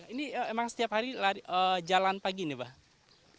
ini emang setiap hari jalan pagi nih pak